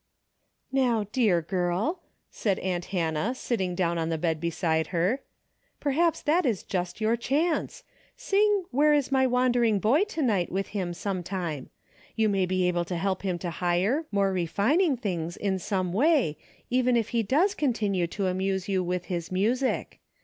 "How, dear girl," said aunt Hannah sitting down on the bed beside her, " perhaps that is just your chance. Sing 'Where is my wan dering boy to night?' with him some time. You may be able to help him to higher, more refining things in some way, even if he does continue to amuse you with his music.